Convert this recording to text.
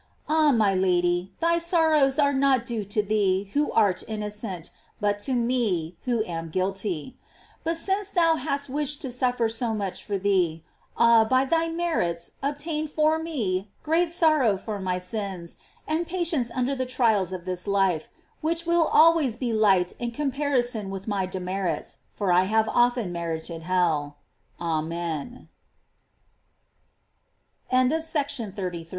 Ah, my Lady, thy sorrows are not due to thee who art inno cent, but to me who am guilty. But since thou hast wished to suffer so much for me, ah, by thy merits obtain for me great sorrow for my sins, and patience under the trials of this life, which will always be light in comparison with my demerits, fo